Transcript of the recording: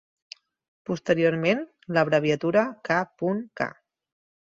Posteriorment, l'abreviatura k.k.